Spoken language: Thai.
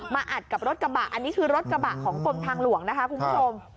อัดกับรถกระบะอันนี้คือรถกระบะของกรมทางหลวงนะคะคุณผู้ชม